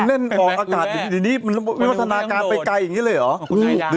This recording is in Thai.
เล่นออกอากาศเดี๋ยวนี้มันวิวัฒนาการไปไกลอย่างนี้เลยเหรอ